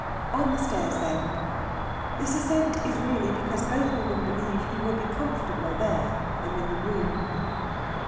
"On the stairs, then." This assent is really because both women believe he will be comfortabler there than in the room.